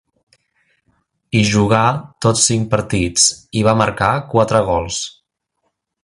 Hi jugà tots cinc partits, i va marcar quatre gols.